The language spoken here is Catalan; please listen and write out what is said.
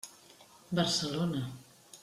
Barcelona.